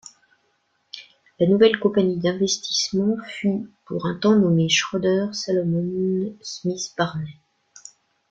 La nouvelle compagnie d'investissement fut pour un temps nommé Schroder Salomon Smith Barney.